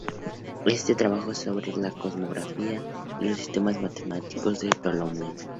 Este trabajo trata sobre cosmografía y los sistemas matemáticos de Tolomeo.